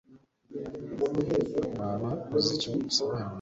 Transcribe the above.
Waba uzi icyo usobanura kuri njye